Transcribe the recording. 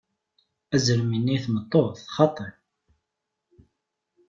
Azrem inna i tmeṭṭut: Xaṭi!